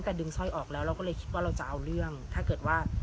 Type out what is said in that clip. เพราะว่าเราจะเอาเรื่องถ้าเกิดว่า